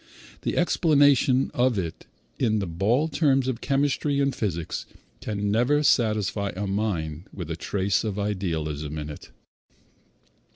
The explanation of it in the bald terms of chemistry and physics can never satisfy a mind with a trace of idealism in it.